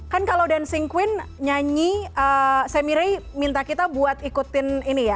kan kalau dancing queen nyanyi semirey minta kita buat ikutin ini ya